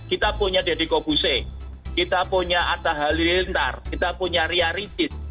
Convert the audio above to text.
kita punya deddy kobuse kita punya atta halilintar kita punya ria ricis